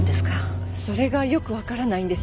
それがよく分からないんです。